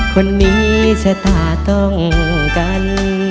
คนนี้ชะตาต้องกัน